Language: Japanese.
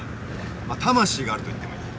まあ魂があるといってもいい。